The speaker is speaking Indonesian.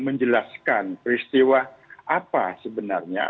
menjelaskan peristiwa apa sebenarnya